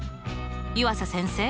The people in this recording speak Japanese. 湯浅先生